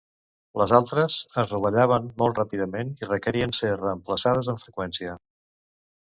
Les altres es rovellaven molt ràpidament i requerien ser reemplaçades amb freqüència.